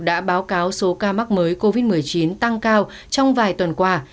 đã báo cáo số ca mắc mới covid một mươi chín tăng cao trong vài tuần qua